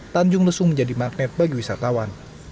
tanjung lesung menjadi magnet bagi wisatawan